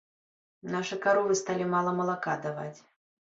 Нашы каровы сталі мала малака даваць.